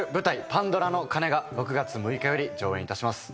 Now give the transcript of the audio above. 『パンドラの鐘』が６月６日より上演いたします。